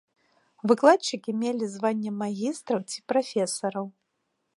Выкладчыкі мелі званне магістраў ці прафесараў.